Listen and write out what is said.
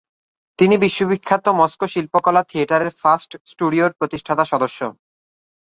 তিনি বিশ্ববিখ্যাত মস্কো শিল্পকলা থিয়েটারের ফার্স্ট স্টুডিওর প্রতিষ্ঠাতা সদস্য।